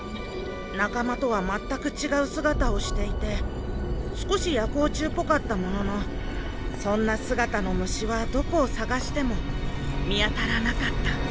仲間とは全く違う姿をしていて少し夜光虫っぽかったもののそんな姿の虫はどこを探しても見当たらなかった」。